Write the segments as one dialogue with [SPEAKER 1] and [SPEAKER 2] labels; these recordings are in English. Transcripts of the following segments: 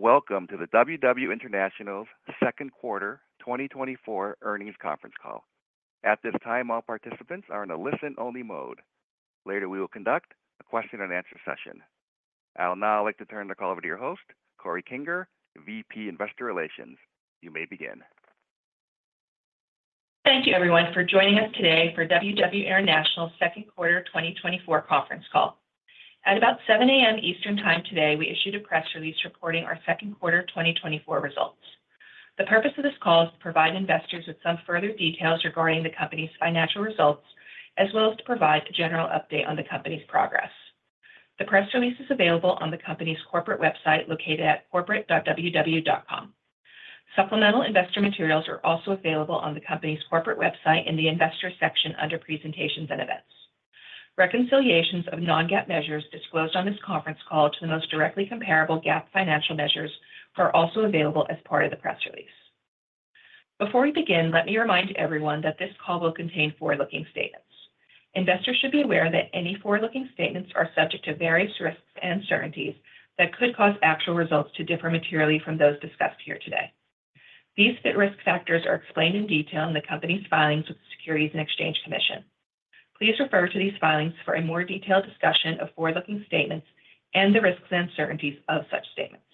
[SPEAKER 1] Welcome to the WW International's Q2 2024 Earnings Conference Call. At this time, all participants are in a listen-only mode. Later, we will conduct a question-and-answer session. I'll now like to turn the call over to your host, Corey Kinger, VP Investor Relations. You may begin.
[SPEAKER 2] Thank you, everyone, for joining us today for WW International's Q2 2024 Conference Call. At about 7:00 A.M. Eastern Time today, we issued a press release reporting our Q2 2024 results. The purpose of this call is to provide investors with some further details regarding the company's financial results, as well as to provide a general update on the company's progress. The press release is available on the company's corporate website located at corporate.ww.com. Supplemental investor materials are also available on the company's corporate website in the investor section under presentations and events. Reconciliations of non-GAAP measures disclosed on this conference call to the most directly comparable GAAP financial measures are also available as part of the press release. Before we begin, let me remind everyone that this call will contain forward-looking statements. Investors should be aware that any forward-looking statements are subject to various risks and uncertainties that could cause actual results to differ materially from those discussed here today. These risk factors are explained in detail in the company's filings with the Securities and Exchange Commission. Please refer to these filings for a more detailed discussion of forward-looking statements and the risks and uncertainties of such statements.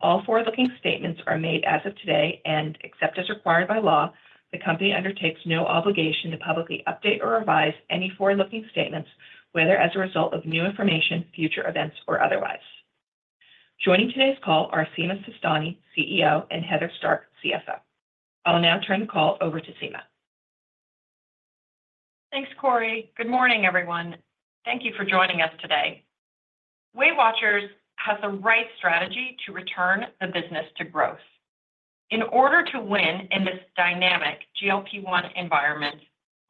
[SPEAKER 2] All forward-looking statements are made as of today and, except as required by law, the company undertakes no obligation to publicly update or revise any forward-looking statements, whether as a result of new information, future events, or otherwise. Joining today's call are Sima Sistani, CEO, and Heather Stark, CFO. I'll now turn the call over to Sima.
[SPEAKER 3] Thanks, Corey. Good morning, everyone. Thank you for joining us today. Weight Watchers has the right strategy to return the business to growth. In order to win in this dynamic GLP-1 environment,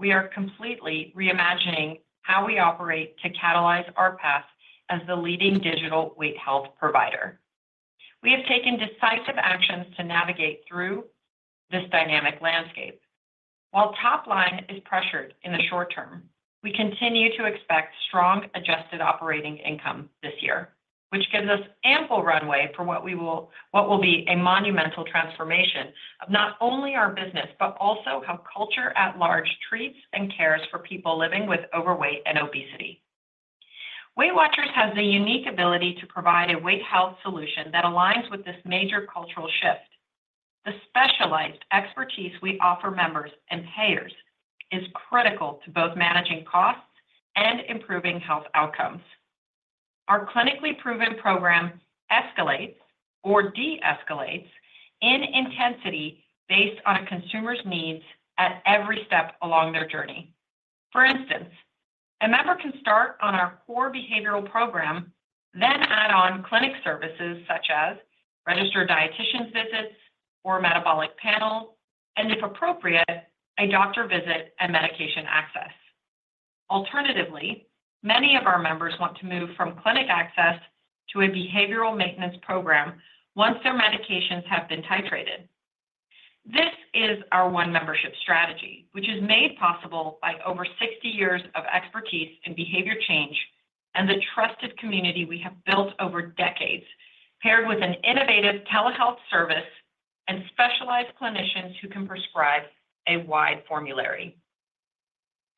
[SPEAKER 3] we are completely reimagining how we operate to catalyze our path as the leading digital weight health provider. We have taken decisive actions to navigate through this dynamic landscape. While top line is pressured in the short term, we continue to expect strong adjusted operating income this year, which gives us ample runway for what will be a monumental transformation of not only our business, but also how culture at large treats and cares for people living with overweight and obesity. Weight Watchers has the unique ability to provide a weight health solution that aligns with this major cultural shift. The specialized expertise we offer members and payers is critical to both managing costs and improving health outcomes. Our clinically proven program escalates or de-escalates in intensity based on a consumer's needs at every step along their journey. For instance, a member can start on our core behavioral program, then add on clinic services such as registered dietitian visits or metabolic panel, and if appropriate, a doctor visit and medication access. Alternatively, many of our members want to move from clinic access to a behavioral maintenance program once their medications have been titrated. This is our one-membership strategy, which is made possible by over 60 years of expertise in behavior change and the trusted community we have built over decades, paired with an innovative telehealth service and specialized clinicians who can prescribe a wide formulary.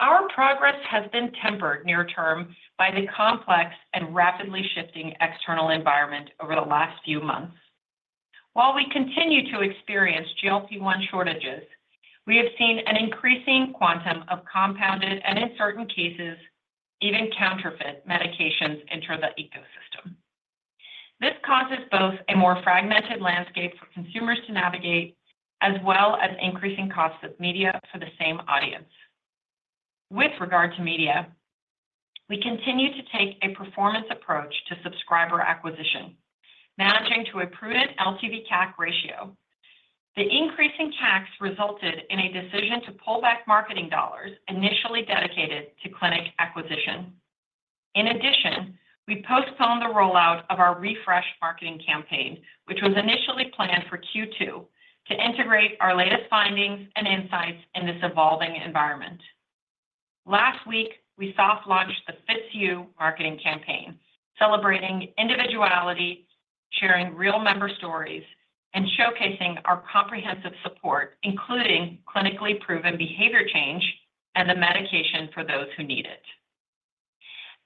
[SPEAKER 3] Our progress has been tempered near-term by the complex and rapidly shifting external environment over the last few months. While we continue to experience GLP-1 shortages, we have seen an increasing quantum of compounded and, in certain cases, even counterfeit medications enter the ecosystem. This causes both a more fragmented landscape for consumers to navigate, as well as increasing costs of media for the same audience. With regard to media, we continue to take a performance approach to subscriber acquisition, managing to a prudent LTV-CAC ratio. The increasing CACs resulted in a decision to pull back marketing dollars initially dedicated to clinic acquisition. In addition, we postponed the rollout of our refresh marketing campaign, which was initially planned for Q2, to integrate our latest findings and insights in this evolving environment. Last week, we soft-launched the "Fits You" marketing campaign, celebrating individuality, sharing real member stories, and showcasing our comprehensive support, including clinically proven behavior change and the medication for those who need it.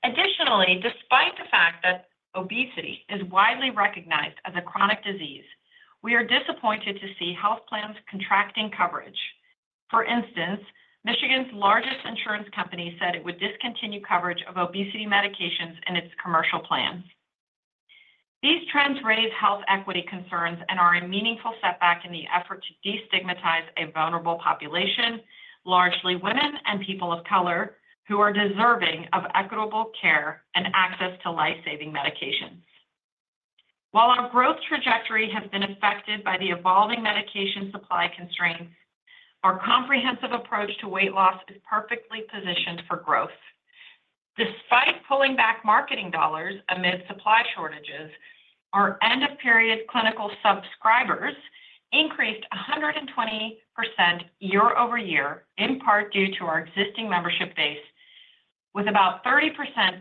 [SPEAKER 3] Additionally, despite the fact that obesity is widely recognized as a chronic disease, we are disappointed to see health plans contracting coverage. For instance, Michigan's largest insurance company said it would discontinue coverage of obesity medications in its commercial plans. These trends raise health equity concerns and are a meaningful setback in the effort to destigmatize a vulnerable population, largely women and people of color, who are deserving of equitable care and access to life-saving medications. While our growth trajectory has been affected by the evolving medication supply constraints, our comprehensive approach to weight loss is perfectly positioned for growth. Despite pulling back marketing dollars amid supply shortages, our end-of-period clinical subscribers increased 120% year-over-year, in part due to our existing membership base, with about 30%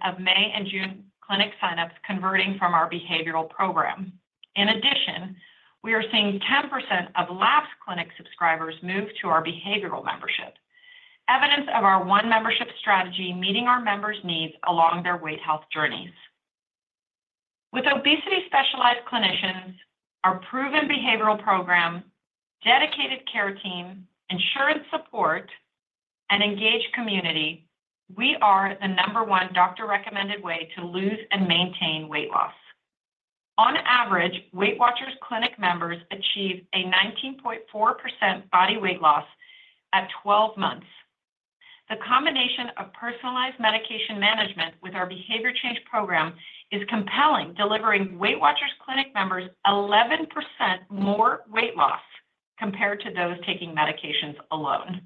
[SPEAKER 3] of May and June clinic signups converting from our behavioral program. In addition, we are seeing 10% of last clinic subscribers move to our behavioral membership, evidence of our one-membership strategy meeting our members' needs along their weight health journeys. With obesity-specialized clinicians, our proven behavioral program, dedicated care team, insurance support, and engaged community, we are the number one doctor-recommended way to lose and maintain weight loss. On average, Weight Watchers Clinic members achieve a 19.4% body weight loss at 12 months. The combination of personalized medication management with our behavior change program is compelling, delivering Weight Watchers Clinic members 11% more weight loss compared to those taking medications alone.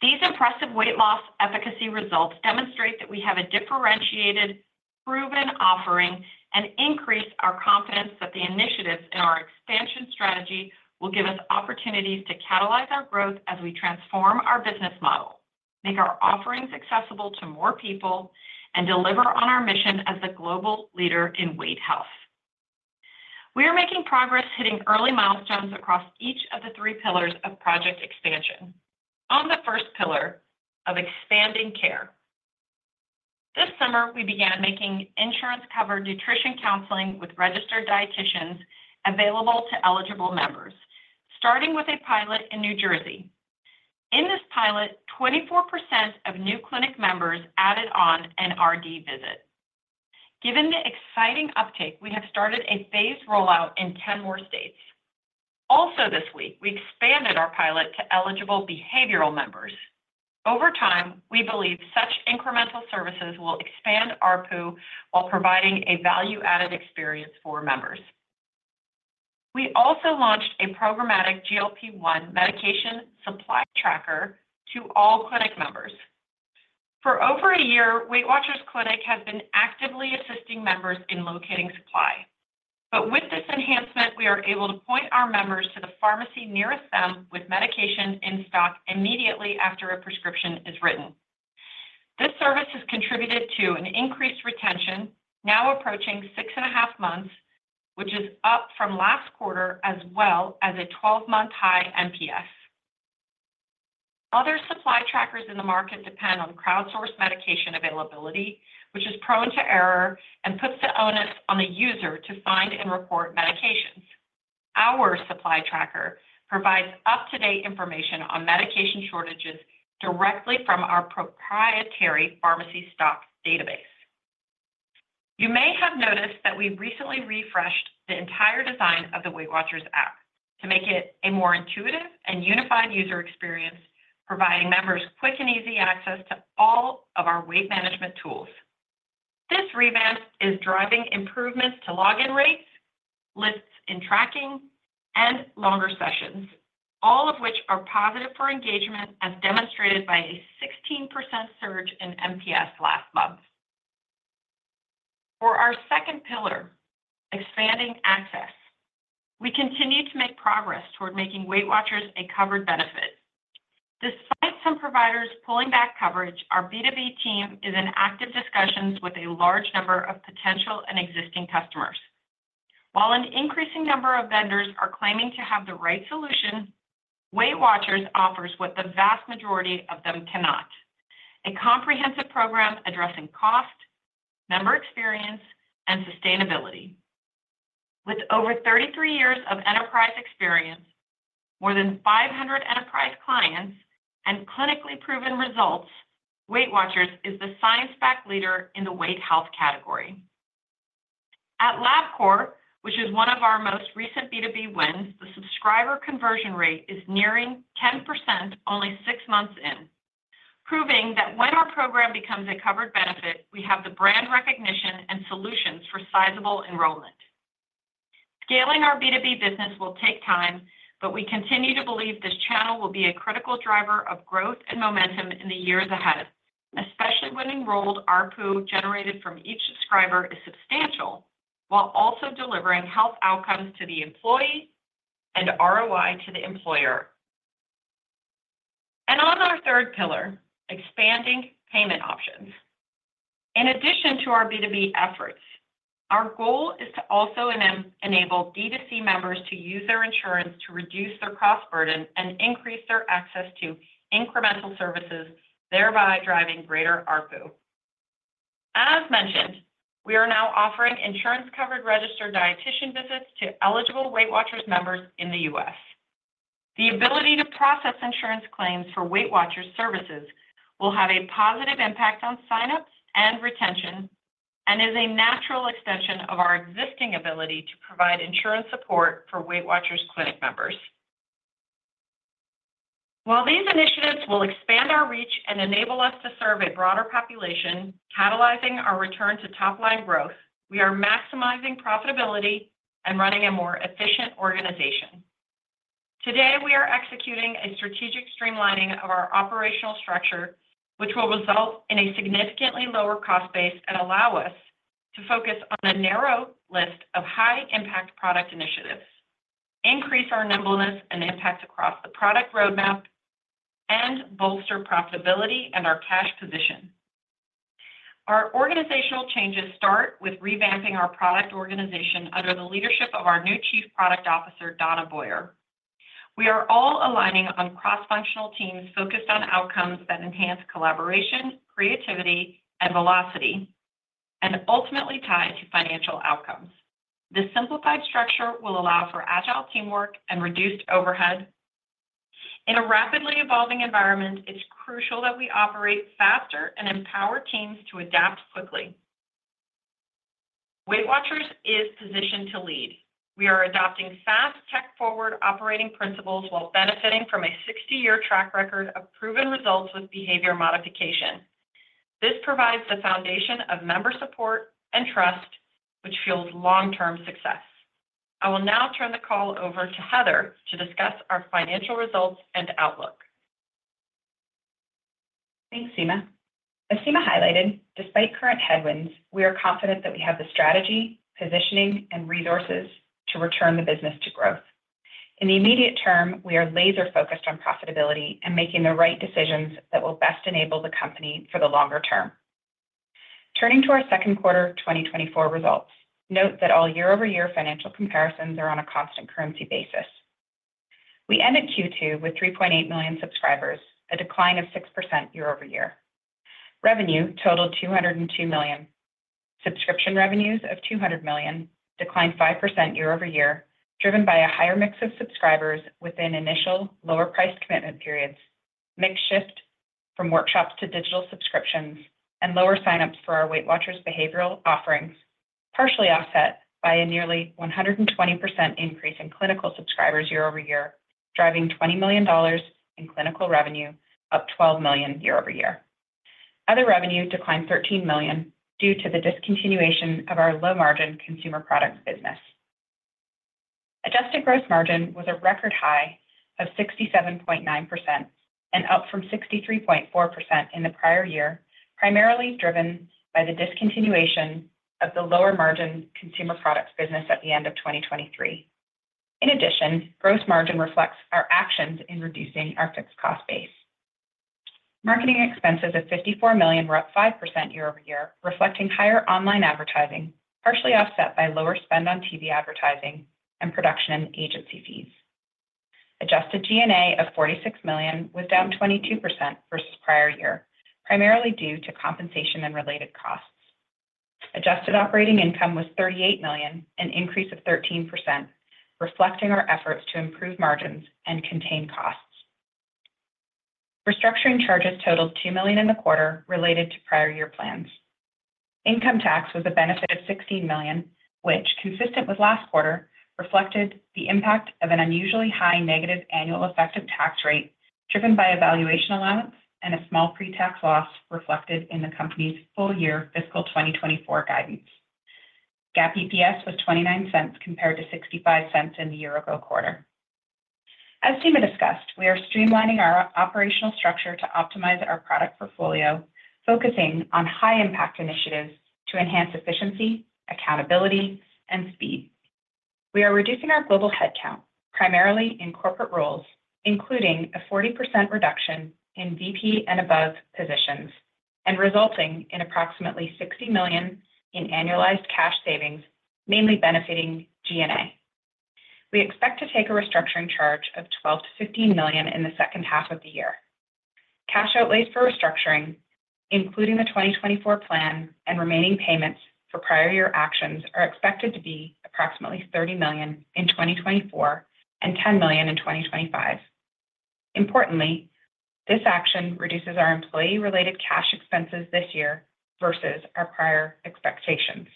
[SPEAKER 3] These impressive weight loss efficacy results demonstrate that we have a differentiated, proven offering and increase our confidence that the initiatives in our expansion strategy will give us opportunities to catalyze our growth as we transform our business model, make our offerings accessible to more people, and deliver on our mission as the global leader in weight health. We are making progress, hitting early milestones across each of the three pillars of Project Expansion. On the first pillar of expanding care, this summer, we began making insurance-covered nutrition counseling with registered dietitians available to eligible members, starting with a pilot in New Jersey. In this pilot, 24% of new clinic members added on an RD visit. Given the exciting uptake, we have started a phased rollout in 10 more states. Also this week, we expanded our pilot to eligible behavioral members. Over time, we believe such incremental services will expand our pool while providing a value-added experience for members. We also launched a programmatic GLP-1 medication supply tracker to all clinic members. For over a year, Weight Watchers Clinic has been actively assisting members in locating supply. But with this enhancement, we are able to point our members to the pharmacy nearest them with medication in stock immediately after a prescription is written. This service has contributed to an increased retention, now approaching 6.5 months, which is up from last quarter as well as a 12-month high NPS. Other supply trackers in the market depend on crowdsourced medication availability, which is prone to error and puts the onus on the user to find and report medications. Our supply tracker provides up-to-date information on medication shortages directly from our proprietary pharmacy stock database. You may have noticed that we recently refreshed the entire design of the Weight Watchers App to make it a more intuitive and unified user experience, providing members quick and easy access to all of our weight management tools. This revamp is driving improvements to login rates, lifts in tracking, and longer sessions, all of which are positive for engagement, as demonstrated by a 16% surge in NPS last month. For our second pillar, expanding access, we continue to make progress toward making Weight Watchers a covered benefit. Despite some providers pulling back coverage, our B2B team is in active discussions with a large number of potential and existing customers. While an increasing number of vendors are claiming to have the right solution, Weight Watchers offers what the vast majority of them cannot: a comprehensive program addressing cost, member experience, and sustainability. With over 33 years of enterprise experience, more than 500 enterprise clients, and clinically proven results, Weight Watchers is the science-backed leader in the weight health category. At Labcorp, which is one of our most recent B2B wins, the subscriber conversion rate is nearing 10% only six months in, proving that when our program becomes a covered benefit, we have the brand recognition and solutions for sizable enrollment. Scaling our B2B business will take time, but we continue to believe this channel will be a critical driver of growth and momentum in the years ahead, especially when enrolled ARPU generated from each subscriber is substantial, while also delivering health outcomes to the employee and ROI to the employer. And on our third pillar, expanding payment options. In addition to our B2B efforts, our goal is to also enable D2C members to use their insurance to reduce their cost burden and increase their access to incremental services, thereby driving greater ARPU. As mentioned, we are now offering insurance-covered registered dietitian visits to eligible Weight Watchers members in the U.S. The ability to process insurance claims for Weight Watchers services will have a positive impact on signups and retention and is a natural extension of our existing ability to provide insurance support for Weight Watchers Clinic members. While these initiatives will expand our reach and enable us to serve a broader population, catalyzing our return to top line growth, we are maximizing profitability and running a more efficient organization. Today, we are executing a strategic streamlining of our operational structure, which will result in a significantly lower cost base and allow us to focus on a narrow list of high-impact product initiatives, increase our nimbleness and impact across the product roadmap, and bolster profitability and our cash position. Our organizational changes start with revamping our product organization under the leadership of our new Chief Product Officer, Donna Boyer. We are all aligning on cross-functional teams focused on outcomes that enhance collaboration, creativity, and velocity, and ultimately tie to financial outcomes. This simplified structure will allow for agile teamwork and reduced overhead. In a rapidly evolving environment, it's crucial that we operate faster and empower teams to adapt quickly. Weight Watchers is positioned to lead. We are adopting fast, tech-forward operating principles while benefiting from a 60-year track record of proven results with behavior modification. This provides the foundation of member support and trust, which fuels long-term success. I will now turn the call over to Heather to discuss our financial results and outlook.
[SPEAKER 4] Thanks, Sima. As Sima highlighted, despite current headwinds, we are confident that we have the strategy, positioning, and resources to return the business to growth. In the immediate term, we are laser-focused on profitability and making the right decisions that will best enable the company for the longer term. Turning to our Q2 2024 results, note that all year-over-year financial comparisons are on a constant currency basis. We ended Q2 with 3.8 million subscribers, a decline of 6% year-over-year. Revenue totaled $202 million. Subscription revenues of $200 million declined 5% year-over-year, driven by a higher mix of subscribers within initial lower-priced commitment periods, mix shift from workshops to digital subscriptions, and lower signups for our Weight Watchers behavioral offerings, partially offset by a nearly 120% increase in clinical subscribers year-over-year, driving $20 million in clinical revenue, up $12 million year-over-year. Other revenue declined $13 million due to the discontinuation of our low-margin consumer products business. Adjusted gross margin was a record high of 67.9% and up from 63.4% in the prior year, primarily driven by the discontinuation of the lower-margin consumer products business at the end of 2023. In addition, gross margin reflects our actions in reducing our fixed cost base. Marketing expenses of $54 million were up 5% year-over-year, reflecting higher online advertising, partially offset by lower spend on TV advertising and production and agency fees. Adjusted G&A of $46 million was down 22% versus prior year, primarily due to compensation and related costs. Adjusted operating income was $38 million, an increase of 13%, reflecting our efforts to improve margins and contain costs. Restructuring charges totaled $2 million in the quarter, related to prior year plans. Income tax was a benefit of $16 million, which, consistent with last quarter, reflected the impact of an unusually high negative annual effective tax rate, driven by valuation allowance and a small pre-tax loss reflected in the company's full-year fiscal 2024 guidance. GAAP EPS was $0.29 compared to $0.65 in the year-ago quarter. As Sima discussed, we are streamlining our operational structure to optimize our product portfolio, focusing on high-impact initiatives to enhance efficiency, accountability, and speed. We are reducing our global headcount, primarily in corporate roles, including a 40% reduction in VP and above positions, and resulting in approximately $60 million in annualized cash savings, mainly benefiting G&A. We expect to take a restructuring charge of $12 to 15 million in the second half of the year. Cash outlays for restructuring, including the 2024 plan and remaining payments for prior year actions, are expected to be approximately $30 million in 2024 and $10 million in 2025. Importantly, this action reduces our employee-related cash expenses this year versus our prior expectations.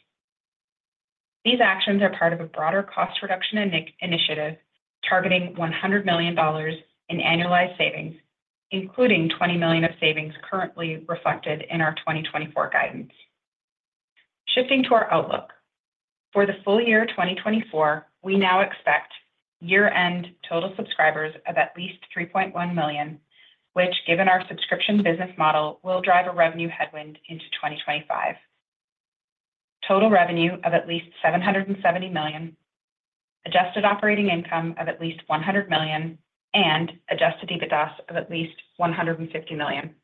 [SPEAKER 4] These actions are part of a broader cost reduction initiative targeting $100 million in annualized savings, including $20 million of savings currently reflected in our 2024 guidance. Shifting to our outlook, for the full year 2024, we now expect year-end total subscribers of at least 3.1 million, which, given our subscription business model, will drive a revenue headwind into 2025. Total revenue of at least $770 million, adjusted operating income of at least $100 million, and adjusted EBITDA of at least $150 million.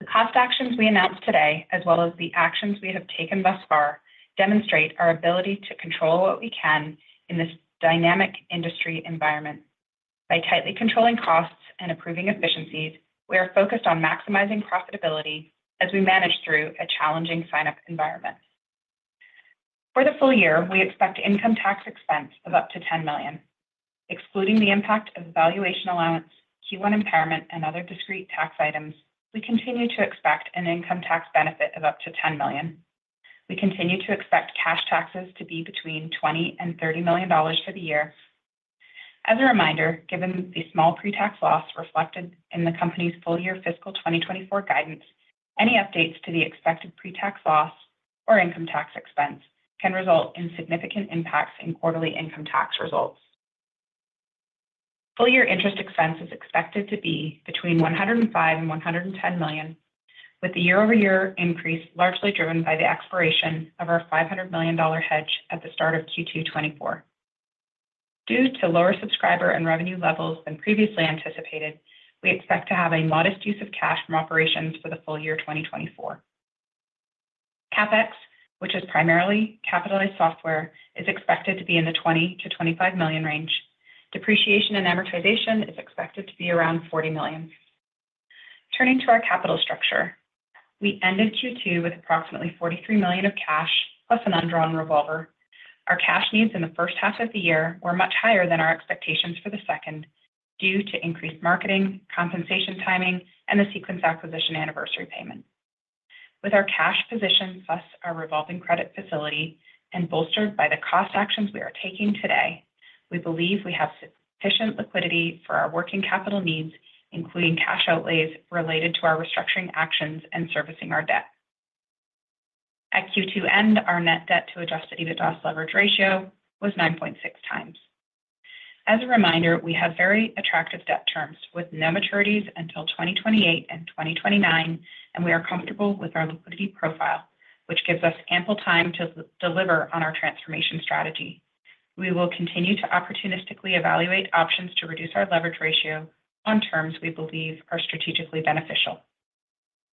[SPEAKER 4] The cost actions we announced today, as well as the actions we have taken thus far, demonstrate our ability to control what we can in this dynamic industry environment. By tightly controlling costs and improving efficiencies, we are focused on maximizing profitability as we manage through a challenging signup environment. For the full year, we expect income tax expense of up to $10 million. Excluding the impact of valuation allowance, Q1 impairment, and other discrete tax items, we continue to expect an income tax benefit of up to $10 million. We continue to expect cash taxes to be between $20 to 30 million for the year. As a reminder, given the small pre-tax loss reflected in the company's full-year fiscal 2024 guidance, any updates to the expected pre-tax loss or income tax expense can result in significant impacts in quarterly income tax results. Full-year interest expense is expected to be between $105 to 110 million, with the year-over-year increase largely driven by the expiration of our $500 million hedge at the start of Q2 2024. Due to lower subscriber and revenue levels than previously anticipated, we expect to have a modest use of cash from operations for the full year 2024. CapEx, which is primarily capitalized software, is expected to be in the $20 to 25 million range. Depreciation and amortization is expected to be around $40 million. Turning to our capital structure, we ended Q2 with approximately $43 million of cash plus an undrawn revolver. Our cash needs in the first half of the year were much higher than our expectations for the second due to increased marketing, compensation timing, and the Sequence acquisition anniversary payment. With our cash position plus our revolving credit facility and bolstered by the cost actions we are taking today, we believe we have sufficient liquidity for our working capital needs, including cash outlays related to our restructuring actions and servicing our debt. At Q2 end, our net debt to adjusted EBITDA leverage ratio was 9.6x. As a reminder, we have very attractive debt terms with no maturities until 2028 and 2029, and we are comfortable with our liquidity profile, which gives us ample time to deliver on our transformation strategy. We will continue to opportunistically evaluate options to reduce our leverage ratio on terms we believe are strategically beneficial.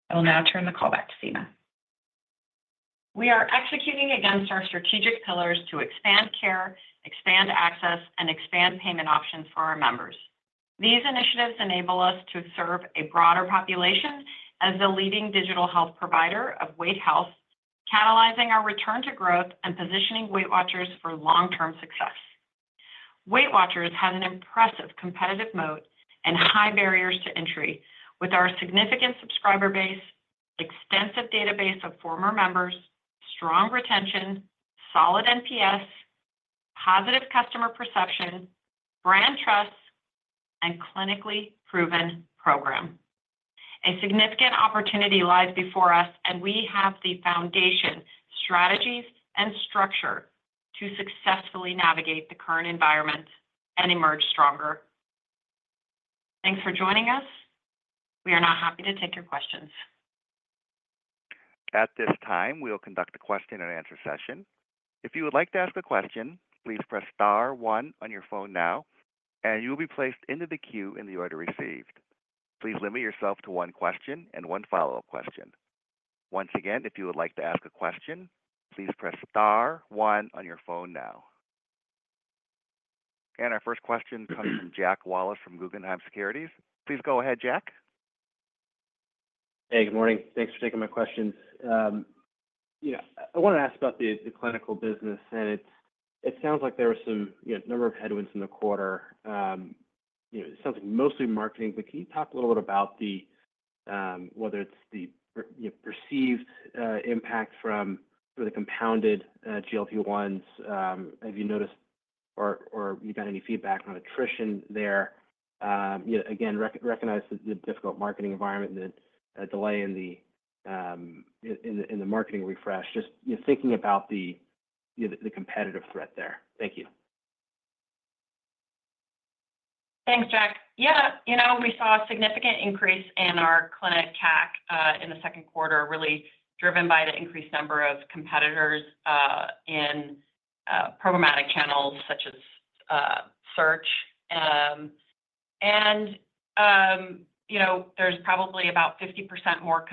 [SPEAKER 4] I will now turn the call back to Sima.
[SPEAKER 3] We are executing against our strategic pillars to expand care, expand access, and expand payment options for our members. These initiatives enable us to serve a broader population as the leading digital health provider of Weight Health, catalyzing our return to growth and positioning Weight Watchers for long-term success. Weight Watchers has an impressive competitive moat and high barriers to entry with our significant subscriber base, extensive database of former members, strong retention, solid NPS, positive customer perception, brand trust, and clinically proven program. A significant opportunity lies before us, and we have the foundation, strategies, and structure to successfully navigate the current environment and emerge stronger. Thanks for joining us. We are now happy to take your questions.
[SPEAKER 1] At this time, we'll conduct a question-and-answer session. If you would like to ask a question, please press star one on your phone now, and you'll be placed into the queue in the order received. Please limit yourself to one question and one follow-up question. Once again, if you would like to ask a question, please press star one on your phone now. Our first question comes from Jack Wallace from Guggenheim Securities. Please go ahead, Jack.
[SPEAKER 5] Hey, good morning. Thanks for taking my questions. I want to ask about the clinical business, and it sounds like there were a number of headwinds in the quarter. It sounds like mostly marketing, but can you talk a little bit about whether it's the perceived impact from the compounded GLP-1s? Have you noticed, or have you gotten any feedback on attrition there? Again, recognize the difficult marketing environment and the delay in the marketing refresh. Just thinking about the competitive threat there. Thank you.
[SPEAKER 3] Thanks, Jack. Yeah, we saw a significant increase in our clinic CAC in the Q2, really driven by the increased number of competitors in programmatic channels such as search. And there's probably about 50% more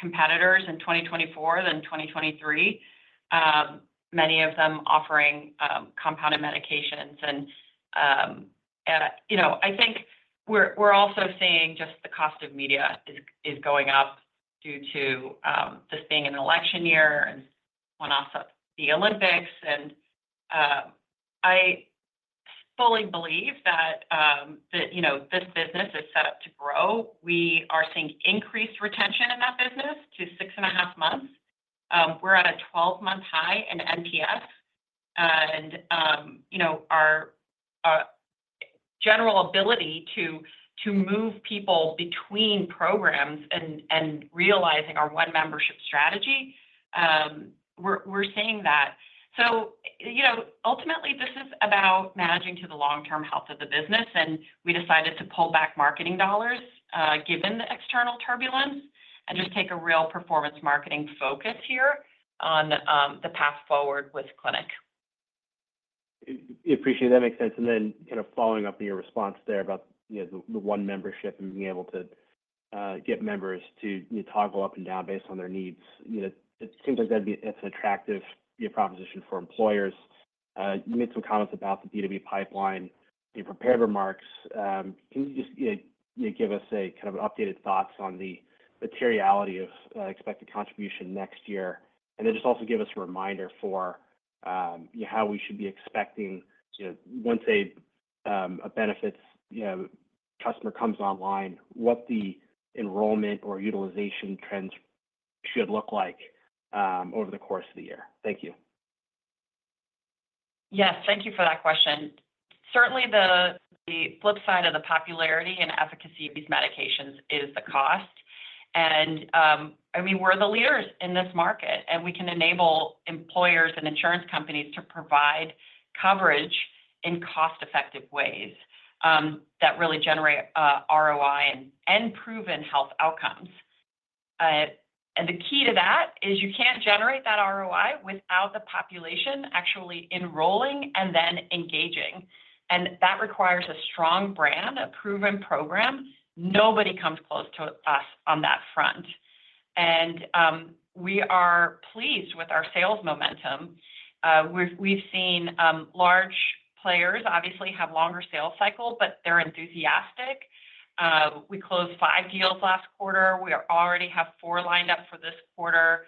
[SPEAKER 3] competitors in 2024 than 2023, many of them offering compounded medications. And I think we're also seeing just the cost of media is going up due to this being an election year and one-offs at the Olympics. And I fully believe that this business is set up to grow. We are seeing increased retention in that business to six and a half months. We're at a 12-month high in NPS, and our general ability to move people between programs and realizing our one membership strategy, we're seeing that. So ultimately, this is about managing to the long-term health of the business, and we decided to pull back marketing dollars given the external turbulence and just take a real performance marketing focus here on the path forward with Clinic.
[SPEAKER 5] Appreciate that. Makes sense. And then following up on your response there about the one membership and being able to get members to toggle up and down based on their needs, it seems like that's an attractive proposition for employers. You made some comments about the B2B pipeline, prepared remarks. Can you just give us kind of updated thoughts on the materiality of expected contribution next year? And then just also give us a reminder for how we should be expecting once a benefits customer comes online, what the enrollment or utilization trends should look like over the course of the year. Thank you.
[SPEAKER 3] Yes, thank you for that question. Certainly, the flip side of the popularity and efficacy of these medications is the cost. We were the leaders in this market, and we can enable employers and insurance companies to provide coverage in cost-effective ways that really generate ROI and proven health outcomes. The key to that is you can't generate that ROI without the population actually enrolling and then engaging. That requires a strong brand, a proven program. Nobody comes close to us on that front. We are pleased with our sales momentum. We've seen large players obviously have longer sales cycles, but they're enthusiastic. We closed five deals last quarter. We already have four lined up for this quarter.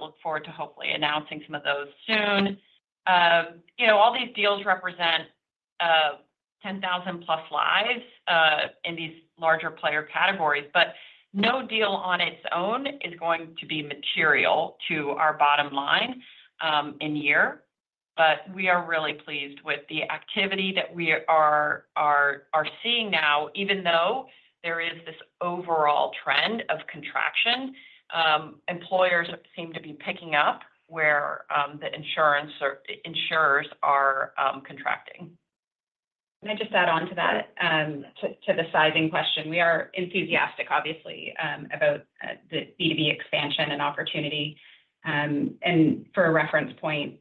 [SPEAKER 3] Look forward to hopefully announcing some of those soon. All these deals represent 10,000+ lives in these larger player categories, but no deal on its own is going to be material to our bottom line in year. We are really pleased with the activity that we are seeing now, even though there is this overall trend of contraction. Employers seem to be picking up where the insurers are contracting.
[SPEAKER 4] Can I just add on to that, to the sizing question? We are enthusiastic, obviously, about the B2B expansion and opportunity. For a reference point,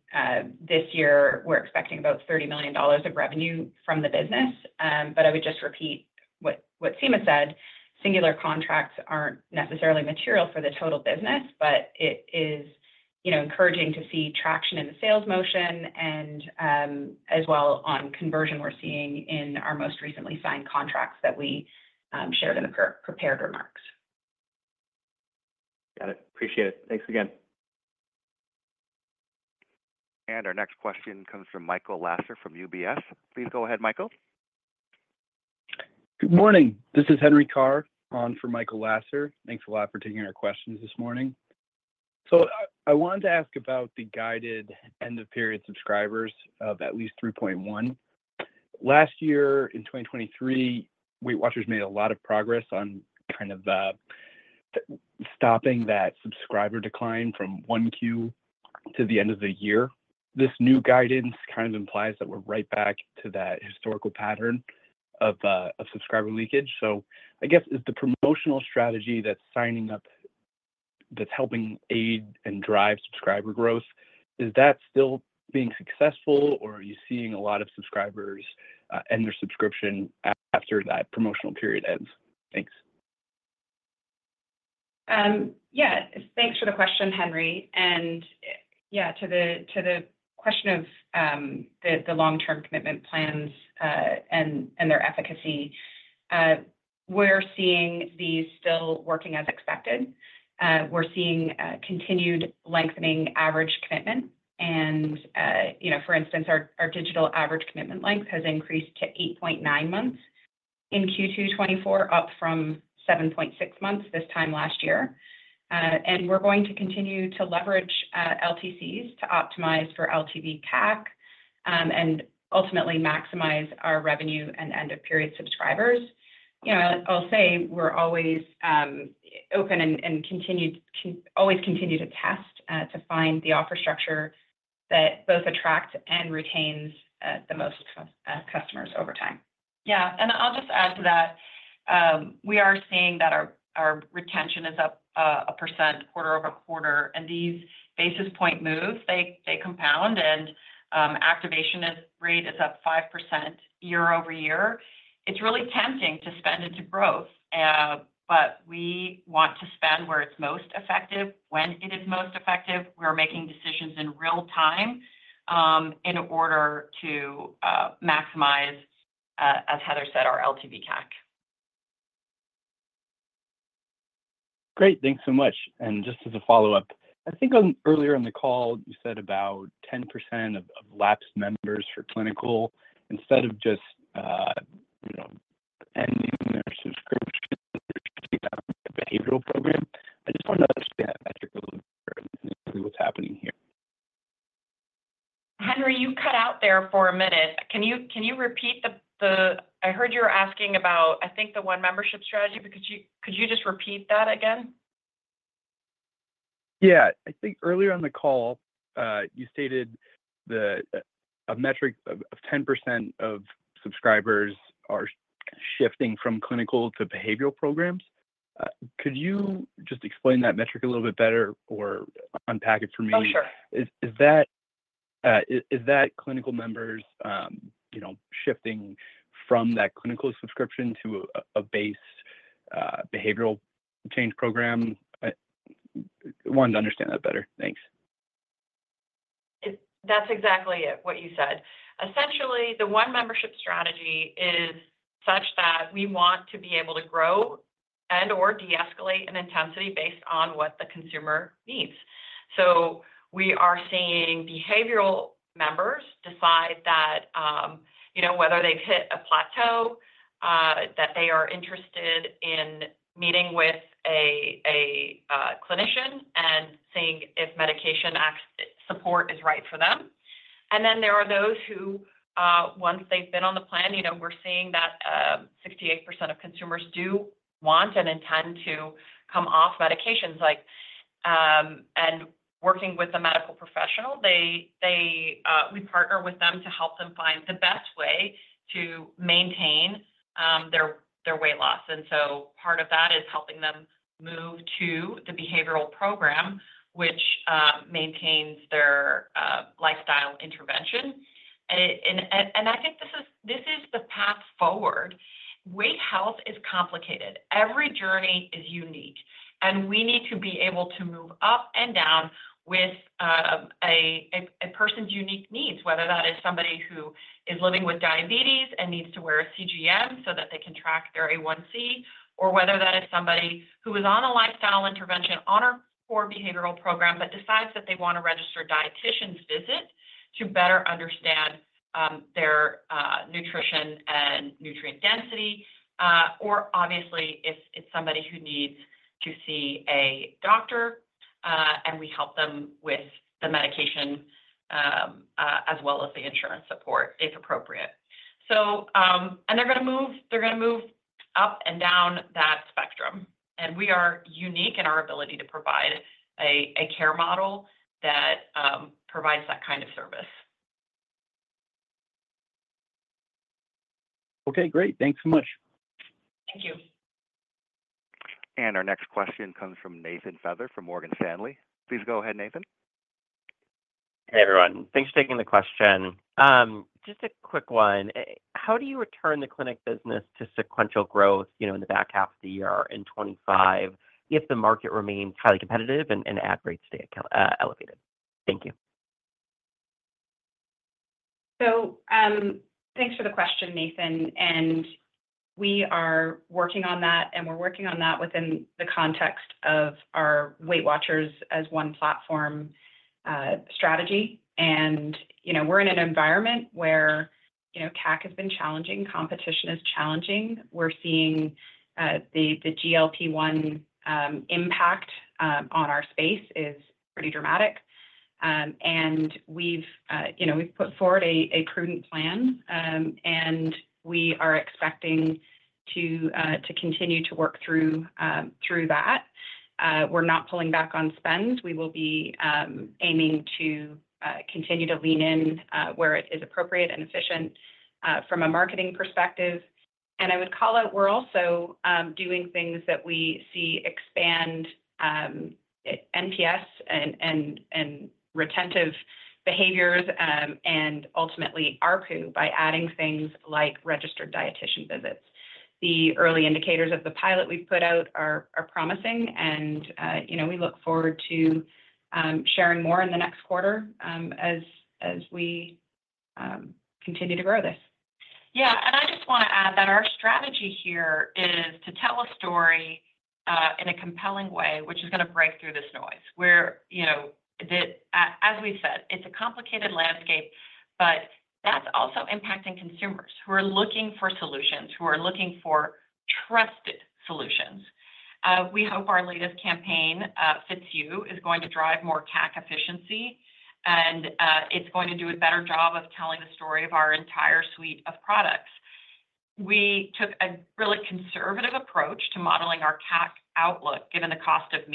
[SPEAKER 4] this year, we're expecting about $30 million of revenue from the business. I would just repeat what Sima said. Singular contracts aren't necessarily material for the total business, but it is encouraging to see traction in the sales motion and as well on conversion we're seeing in our most recently signed contracts that we shared in the prepared remarks.
[SPEAKER 5] Got it. Appreciate it. Thanks again.
[SPEAKER 1] Our next question comes from Michael Lasser from UBS. Please go ahead, Michael. Good morning.
[SPEAKER 6] This is Henry Carr on for Michael Lasser. Thanks a lot for taking our questions this morning. So I wanted to ask about the guidance for end-of-period subscribers of at least 3.1. Last year, in 2023, Weight Watchers made a lot of progress on kind of stopping that subscriber decline from Q1 to the end of the year. This new guidance kind of implies that we're right back to that historical pattern of subscriber leakage. So I guess, is the promotional strategy that's helping aid and drive subscriber growth, is that still being successful, or are you seeing a lot of subscribers end their subscription after that promotional period ends? Thanks.
[SPEAKER 4] Yeah, thanks for the question, Henry. Yeah, to the question of the long-term commitment plans and their efficacy, we're seeing these still working as expected. We're seeing continued lengthening average commitment. For instance, our digital average commitment length has increased to 8.9 months in Q2 2024, up from 7.6 months this time last year. We're going to continue to leverage LTCs to optimize for LTV/CAC and ultimately maximize our revenue and end-of-period subscribers. I'll say we're always open and always continue to test to find the offer structure that both attracts and retains the most customers over time.
[SPEAKER 3] Yeah. I'll just add to that. We are seeing that our retention is up 1% quarter-over-quarter. These basis point moves, they compound, and activation rate is up 5% year-over-year. It's really tempting to spend into growth, but we want to spend where it's most effective, when it is most effective. We're making decisions in real time in order to maximize, as Heather said, our LTV CAC.
[SPEAKER 6] Great. Thanks so much. And just as a follow-up, I think earlier in the call, you said about 10% of lapsed members for clinical instead of just ending their subscription, they're taking out of the behavioral program. I just wanted to understand that metric a little bit better and see what's happening here.
[SPEAKER 3] Henry, you cut out there for a minute. Can you repeat the—I heard you were asking about, I think, the one membership strategy. Could you just repeat that again?
[SPEAKER 6] Yeah. I think earlier in the call, you stated a metric of 10% of subscribers are shifting from clinical to behavioral programs. Could you just explain that metric a little bit better or unpack it for me?
[SPEAKER 3] Oh, sure.
[SPEAKER 6] Is that clinical members shifting from that clinical subscription to a base behavioral change program? I wanted to understand that better. Thanks.
[SPEAKER 3] That's exactly what you said. Essentially, the one membership strategy is such that we want to be able to grow and/or de-escalate in intensity based on what the consumer needs. So we are seeing behavioral members decide that whether they've hit a plateau, that they are interested in meeting with a clinician and seeing if medication support is right for them. And then there are those who, once they've been on the plan, we're seeing that 68% of consumers do want and intend to come off medications. And working with a medical professional, we partner with them to help them find the best way to maintain their weight loss. And so part of that is helping them move to the behavioral program, which maintains their lifestyle intervention. And I think this is the path forward. Weight health is complicated. Every journey is unique. And we need to be able to move up and down with a person's unique needs, whether that is somebody who is living with diabetes and needs to wear a CGM so that they can track their A1C, or whether that is somebody who is on a lifestyle intervention on our core behavioral program but decides that they want a registered dietitian's visit to better understand their nutrition and nutrient density. Or obviously, it's somebody who needs to see a doctor, and we help them with the medication as well as the insurance support if appropriate. And they're going to move up and down that spectrum. We are unique in our ability to provide a care model that provides that kind of service.
[SPEAKER 6] Okay. Great. Thanks so much.
[SPEAKER 3] Thank you.
[SPEAKER 1] And our next question comes from Nathan Feather from Morgan Stanley. Please go ahead, Nathan.
[SPEAKER 7] Hey, everyone. Thanks for taking the question. Just a quick one. How do you return the clinic business to sequential growth in the back half of the year in 2025 if the market remains highly competitive and ad rates stay elevated? Thank you.
[SPEAKER 4] Thanks for the question, Nathan. We are working on that, and we're working on that within the context of our Weight Watchers as One Platform strategy. We're in an environment where CAC has been challenging. Competition is challenging. We're seeing the GLP-1 impact on our space is pretty dramatic. And we've put forward a prudent plan, and we are expecting to continue to work through that. We're not pulling back on spend. We will be aiming to continue to lean in where it is appropriate and efficient from a marketing perspective. And I would call it we're also doing things that we see expand NPS and retentive behaviors and ultimately ARPU by adding things like registered dietitian visits. The early indicators of the pilot we've put out are promising, and we look forward to sharing more in the next quarter as we continue to grow this.
[SPEAKER 3] Yeah. And I just want to add that our strategy here is to tell a story in a compelling way, which is going to break through this noise. As we've said, it's a complicated landscape, but that's also impacting consumers who are looking for solutions, who are looking for trusted solutions. We hope our latest campaign, Fit You, is going to drive more CAC efficiency, and it's going to do a better job of telling the story of our entire suite of products. We took a really conservative approach to modeling our CAC outlook given the cost of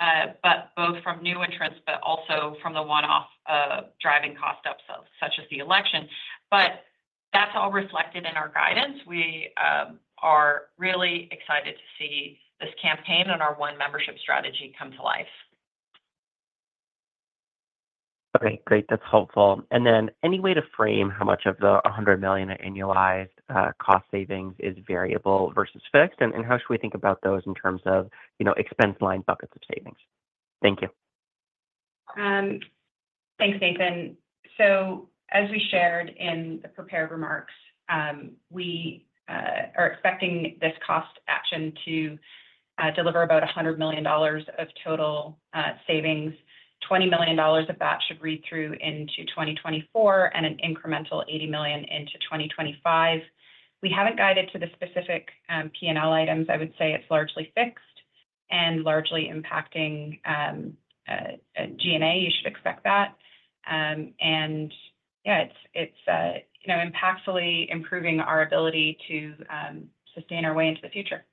[SPEAKER 3] media, both from new entrants, but also from the one-off driving cost upsells, such as the election. But that's all reflected in our guidance. We are really excited to see this campaign and our one membership strategy come to life.
[SPEAKER 7] Okay. Great. That's helpful. And then any way to frame how much of the $100 million annualized cost savings is variable versus fixed? And how should we think about those in terms of expense line buckets of savings? Thank you.
[SPEAKER 4] Thanks, Nathan. So as we shared in the prepared remarks, we are expecting this cost action to deliver about $100 million of total savings, $20 million of that should read through into 2024, and an incremental $80 million into 2025. We haven't guided to the specific P&L items. I would say it's largely fixed and largely impacting G&A. You should expect that. And yeah, it's impactfully improving our ability to sustain our way into the future.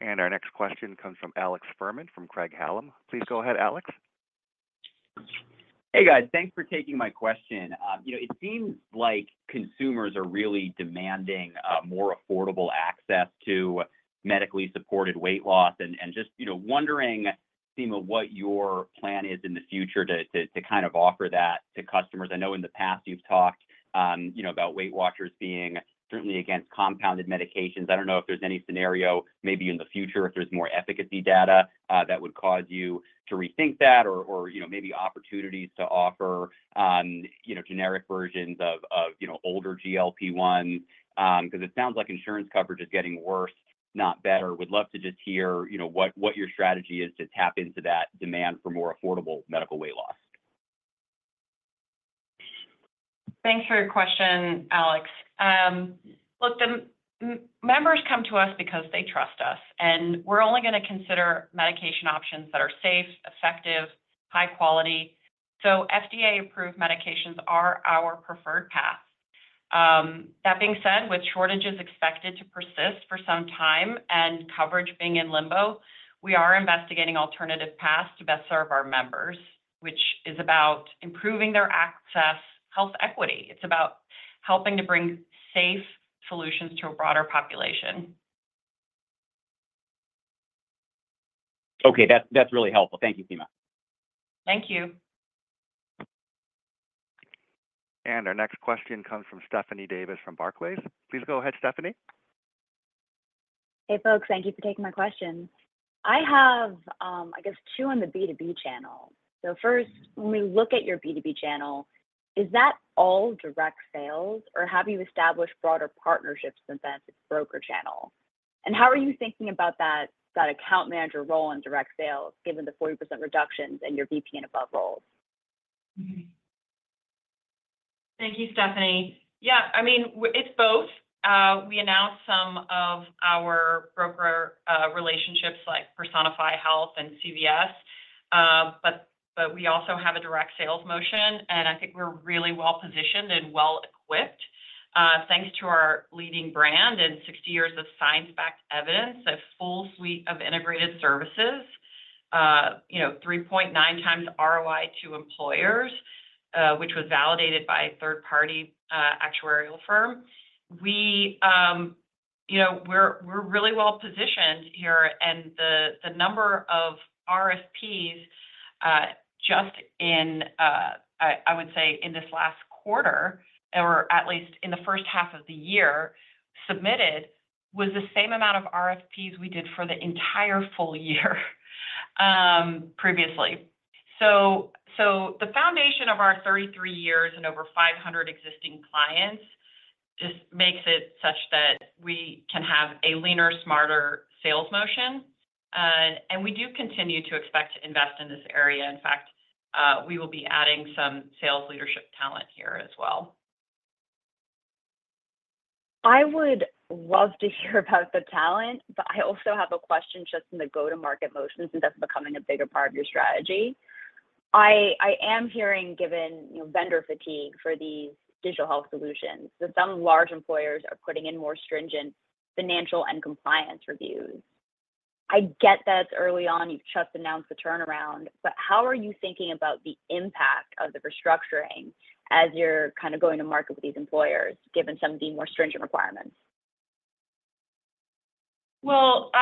[SPEAKER 1] And our next question comes from Alex Fuhrman from Craig-Hallum. Please go ahead, Alex.
[SPEAKER 8] Hey, guys. Thanks for taking my question. It seems like consumers are really demanding more affordable access to medically supported weight loss and just wondering what your plan is in the future to kind of offer that to customers. I know in the past, you've talked about Weight Watchers being certainly against compounded medications. I don't know if there's any scenario maybe in the future if there's more efficacy data that would cause you to rethink that or maybe opportunities to offer generic versions of older GLP-1 because it sounds like insurance coverage is getting worse, not better. Would love to just hear what your strategy is to tap into that demand for more affordable medical weight loss.
[SPEAKER 3] Thanks for your question, Alex. Look, the members come to us because they trust us. And we're only going to consider medication options that are safe, effective, high quality. So FDA-approved medications are our preferred path. That being said, with shortages expected to persist for some time and coverage being in limbo, we are investigating alternative paths to best serve our members, which is about improving their access, health equity. It's about helping to bring safe solutions to a broader population.
[SPEAKER 8] Okay. That's really helpful. Thank you, Sima.
[SPEAKER 3] Thank you.
[SPEAKER 1] Our next question comes from Stephanie Davis from Barclays. Please go ahead, Stephanie.
[SPEAKER 9] Hey, folks. Thank you for taking my question. I have, I guess, two on the B2B channel. So first, when we look at your B2B channel, is that all direct sales, or have you established broader partnerships since that's a broker channel? And how are you thinking about that account manager role in direct sales, given the 40% reductions in your VP and above roles?
[SPEAKER 3] Thank you, Stephanie. Yeah. I mean, it's both. We announced some of our broker relationships like Personify Health and CVS, but we also have a direct sales motion. And I think we're really well-positioned and well-equipped, thanks to our leading brand and 60 years of science-backed evidence, a full suite of integrated services, 3.9 times ROI to employers, which was validated by a third-party actuarial firm. We're really well-positioned here. The number of RFPs just in, I would say, in this last quarter, or at least in the first half of the year submitted, was the same amount of RFPs we did for the entire full year previously. The foundation of our 33 years and over 500 existing clients just makes it such that we can have a leaner, smarter sales motion. We do continue to expect to invest in this area. In fact, we will be adding some sales leadership talent here as well.
[SPEAKER 9] I would love to hear about the talent, but I also have a question just in the go-to-market motions since that's becoming a bigger part of your strategy. I am hearing, given vendor fatigue for these digital health solutions, that some large employers are putting in more stringent financial and compliance reviews. I get that it's early on. You've just announced the turnaround. But how are you thinking about the impact of the restructuring as you're kind of going to market with these employers, given some of the more stringent requirements?
[SPEAKER 3] Well,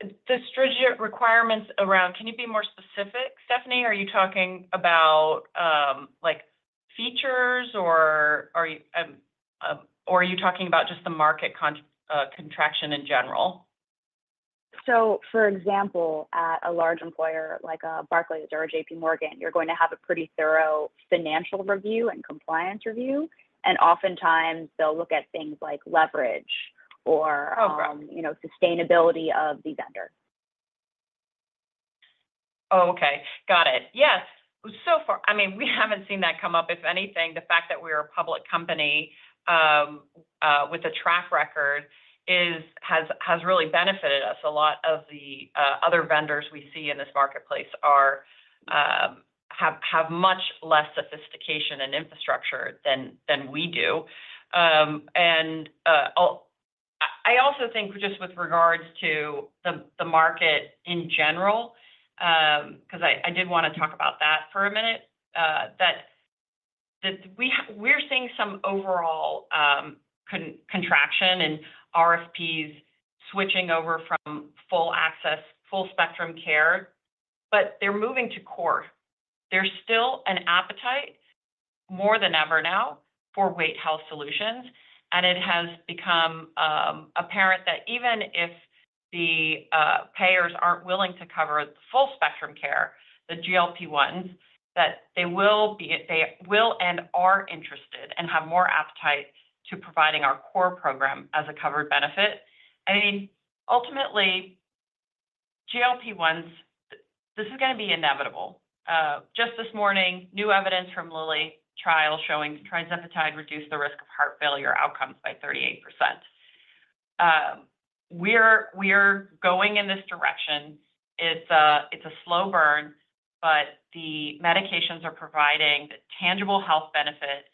[SPEAKER 3] the stringent requirements around—can you be more specific, Stephanie? Are you talking about features, or are you talking about just the market contraction in general?
[SPEAKER 9] So for example, at a large employer like Barclays or J.P. Morgan, you're going to have a pretty thorough financial review and compliance review. And oftentimes, they'll look at things like leverage or sustainability of the vendor.
[SPEAKER 3] Oh, okay. Got it. Yes. I mean, we haven't seen that come up. If anything, the fact that we're a public company with a track record has really benefited us. A lot of the other vendors we see in this marketplace have much less sophistication and infrastructure than we do. And I also think just with regards to the market in general, because I did want to talk about that for a minute, that we're seeing some overall contraction in RFPs switching over from full access, full spectrum care, but they're moving to core. There's still an appetite more than ever now for weight health solutions. And it has become apparent that even if the payers aren't willing to cover full spectrum care, the GLP-1s, that they will and are interested and have more appetite to providing our core program as a covered benefit. I mean, ultimately, GLP-1s, this is going to be inevitable. Just this morning, new evidence from Lilly trials showing Tirzepatide reduced the risk of heart failure outcomes by 38%. We're going in this direction. It's a slow burn, but the medications are providing tangible health benefit,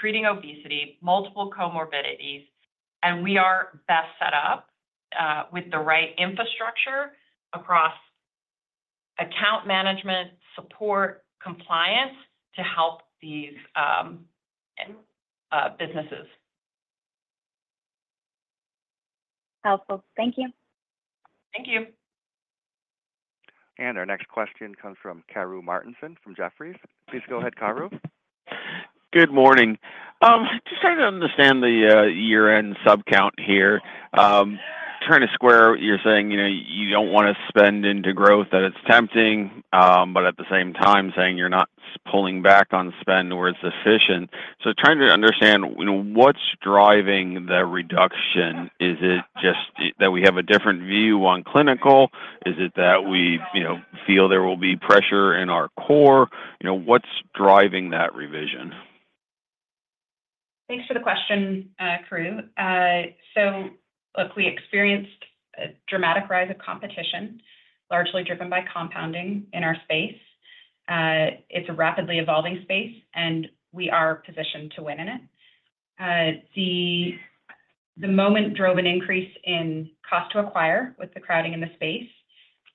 [SPEAKER 3] treating obesity, multiple comorbidities. And we are best set up with the right infrastructure across account management, support, compliance to help these businesses.
[SPEAKER 9] Helpful. Thank you.
[SPEAKER 3] Thank you.
[SPEAKER 1] And our next question comes from Karru Martinson from Jefferies. Please go ahead, Karru.
[SPEAKER 10] Good morning. Just trying to understand the year-end sub-count here. Turning to Q4, you're saying you don't want to spend into growth, that it's tempting, but at the same time, saying you're not pulling back on spend where it's efficient. So trying to understand what's driving the reduction. Is it just that we have a different view on clinical? Is it that we feel there will be pressure in our core? What's driving that revision?
[SPEAKER 3] Thanks for the question, Karru. So look, we experienced a dramatic rise of competition, largely driven by compounding in our space. It's a rapidly evolving space, and we are positioned to win in it. The moment drove an increase in cost to acquire with the crowding in the space.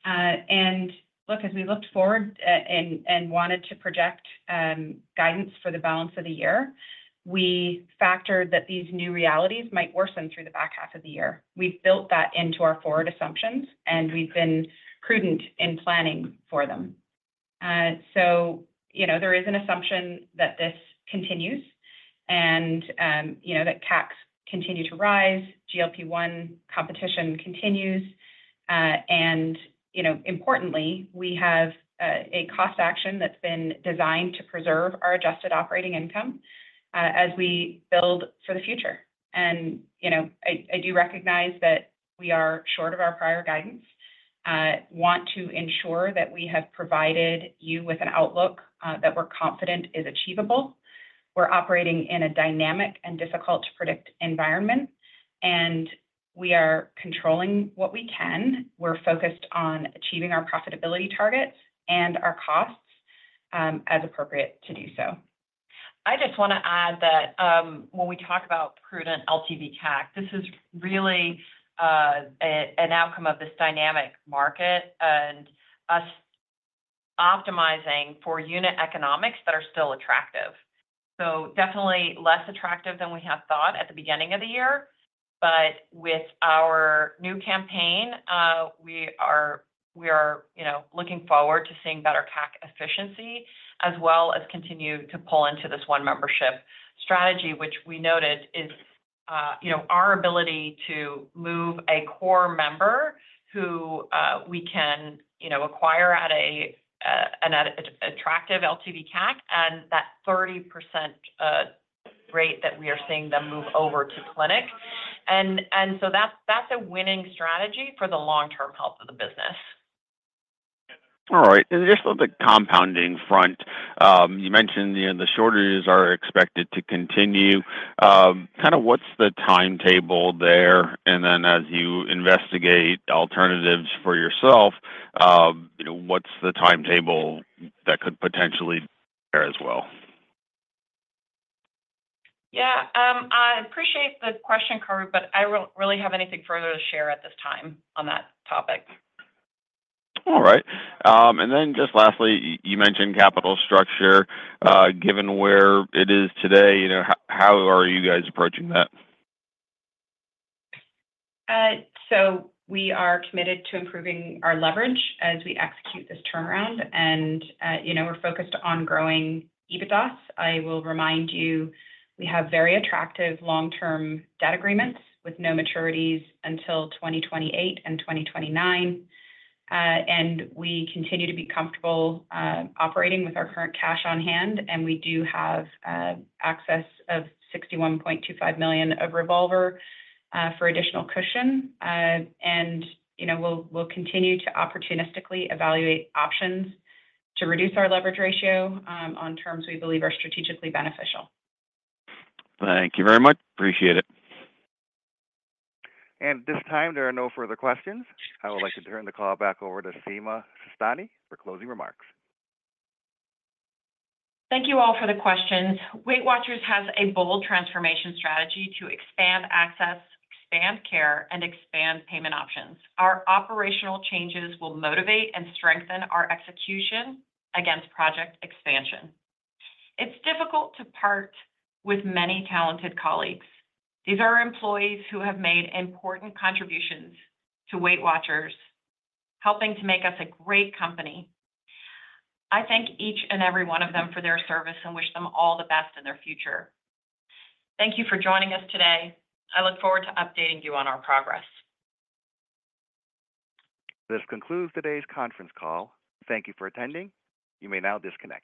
[SPEAKER 3] And look, as we looked forward and wanted to project guidance for the balance of the year, we factored that these new realities might worsen through the back half of the year. We've built that into our forward assumptions, and we've been prudent in planning for them. So there is an assumption that this continues and that CACs continue to rise, GLP-1 competition continues. And importantly, we have a cost action that's been designed to preserve our adjusted operating income as we build for the future. And I do recognize that we are short of our prior guidance. And want to ensure that we have provided you with an outlook that we're confident is achievable. We're operating in a dynamic and difficult-to-predict environment, and we are controlling what we can. We're focused on achieving our profitability targets and our costs as appropriate to do so.
[SPEAKER 4] I just want to add that when we talk about prudent LTV CAC, this is really an outcome of this dynamic market and us optimizing for unit economics that are still attractive. So definitely less attractive than we had thought at the beginning of the year. But with our new campaign, we are looking forward to seeing better CAC efficiency as well as continue to pull into this one membership strategy, which we noted is our ability to move a core member who we can acquire at an attractive LTV CAC and that 30% rate that we are seeing them move over to clinic. And so that's a winning strategy for the long-term health of the business.
[SPEAKER 10] All right. And just on the compounding front, you mentioned the shortages are expected to continue. Kind of what's the timetable there? And then as you investigate alternatives for yourself, what's the timetable that could potentially be there as well?
[SPEAKER 3] Yeah. I appreciate the question, Karru, but I don't really have anything further to share at this time on that topic.
[SPEAKER 10] All right. And then just lastly, you mentioned capital structure. Given where it is today, how are you guys approaching that?
[SPEAKER 4] We are committed to improving our leverage as we execute this turnaround. We're focused on growing EBITDAs. I will remind you, we have very attractive long-term debt agreements with no maturities until 2028 and 2029. We continue to be comfortable operating with our current cash on hand. We do have access to $61.25 million of revolver for additional cushion. We'll continue to opportunistically evaluate options to reduce our leverage ratio on terms we believe are strategically beneficial.
[SPEAKER 10] Thank you very much. Appreciate it.
[SPEAKER 1] At this time, there are no further questions. I would like to turn the call back over to Sima Sistani for closing remarks.
[SPEAKER 3] Thank you all for the questions. Weight Watchers has a bold transformation strategy to expand access, expand care, and expand payment options. Our operational changes will motivate and strengthen our execution against Project Expansion. It's difficult to part with many talented colleagues. These are employees who have made important contributions to Weight Watchers, helping to make us a great company. I thank each and every one of them for their service and wish them all the best in their future. Thank you for joining us today. I look forward to updating you on our progress.
[SPEAKER 1] This concludes today's conference call. Thank you for attending. You may now disconnect.